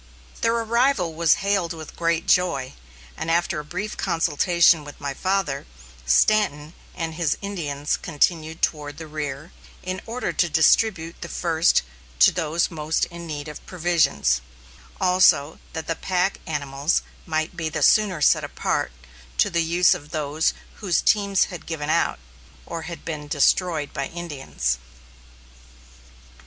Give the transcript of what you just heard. Their arrival was hailed with great joy, and after a brief consultation with my father, Stanton and his Indians continued toward the rear, in order to distribute first to those most in need of provisions, also that the pack animals might be the sooner set apart to the use of those whose teams had given out, or had been destroyed by Indians.